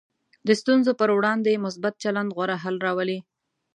د ستونزو پر وړاندې مثبت چلند غوره حل راولي.